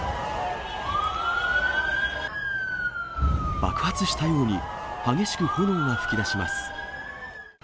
爆発したように、激しく炎が噴き出します。